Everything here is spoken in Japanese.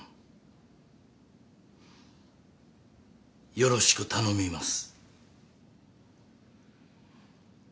よろしく頼みます。